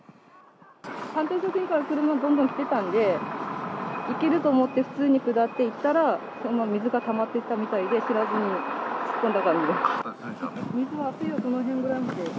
反対車線から車がどんどん来てたんで、いけると思って普通に下っていったら、水がたまっていったみたいで、知らずに突っ込んだ感じです。